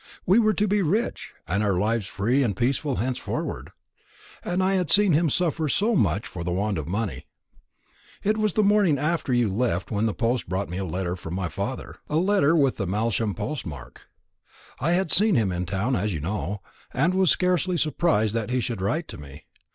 We were to be rich, and our lives free and peaceful henceforward; and I had seen him suffer so much for the want of money. It was the morning after you left when the post brought me a letter from my father a letter with the Malsham post mark. I had seen him in town, as you know, and was scarcely surprised that he should write to me.